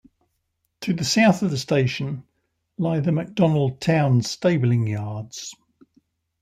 To the south of the station, lie the Macdonaldtown Stabling Yards.